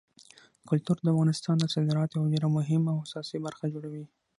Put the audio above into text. کلتور د افغانستان د صادراتو یوه ډېره مهمه او اساسي برخه جوړوي.